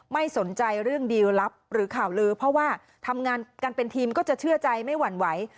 ไม่สนใจเรื่องดีลลับหรือข่าวลือเพราะว่าทำงานกันเป็นทีมก็จะเชื่อใจไม่หวั่นไหว